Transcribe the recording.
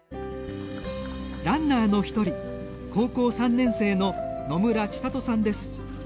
ランナーの一人、高校３年生の野村知里さんです。